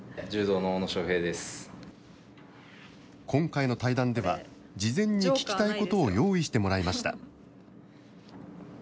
今回の対談では事前に聞きたいことを用意してもらいました。